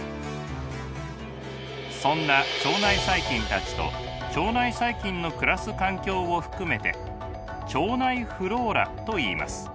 そんな腸内細菌たちと腸内細菌の暮らす環境を含めて腸内フローラといいます。